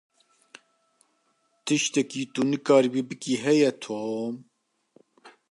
Tiştekî tu nikaribî bikî, heye Tom?